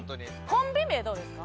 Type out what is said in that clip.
コンビ名どうですか？